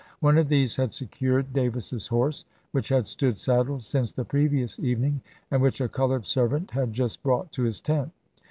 One of these had secured Davis's horse, which had stood saddled since the previous evening, and which a colored servant had just brought to his tent.